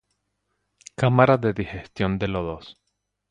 Cámara de digestión de lodos.